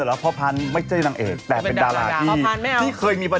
เฮ้พรุ่งนี้สิคุณมา